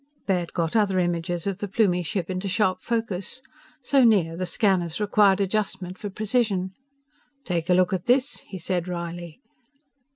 Baird got other images of the Plumie ship into sharp focus. So near, the scanners required adjustment for precision. "Take a look at this!" he said wryly.